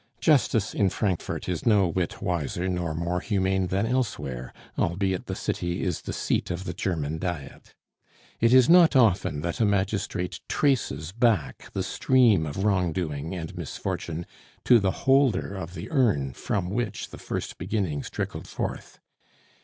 Justice in Frankfort is no whit wiser nor more humane than elsewhere, albeit the city is the seat of the German Diet. It is not often that a magistrate traces back the stream of wrongdoing and misfortune to the holder of the urn from which the first beginnings trickled forth.